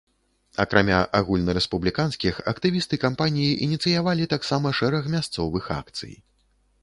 Акрамя агульнарэспубліканскіх, актывісты кампаніі ініцыявалі таксама шэраг мясцовых акцый.